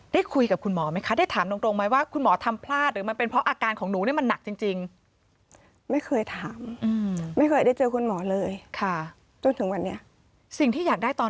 ได้คุยกับคุณหมอไหมคะได้ถามตรงไหมว่า